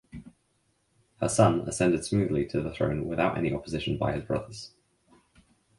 Her son ascended smoothly to the throne without any opposition by his brothers.